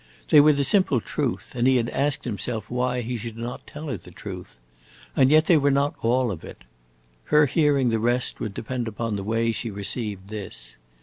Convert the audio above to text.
They were the simple truth, and he had asked himself why he should not tell her the truth. And yet they were not all of it; her hearing the rest would depend upon the way she received this.